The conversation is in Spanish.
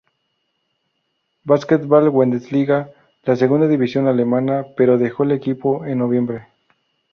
Basketball Bundesliga, la segunda división alemana, pero dejó el equipo en noviembre.